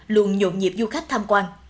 luôn nhộn nhịp du khách tham quan